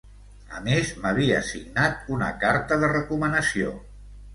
A més, m’havia signat una carta de recomanació.